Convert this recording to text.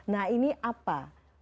nah ini apa